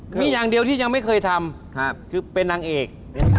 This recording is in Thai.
มีอย่างเดียวที่ยังไม่เคยทำคือเป็นนางเอก